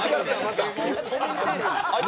また。